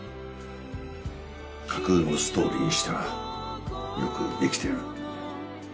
架空のストーリーにしてはよくできてる。